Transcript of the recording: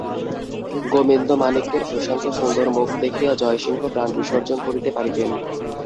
গোবিন্দমাণিক্যের প্রশান্ত সুন্দর মুখ দেখিয়া জয়সিংহ প্রাণ বিসর্জন করিতে পারিতেন।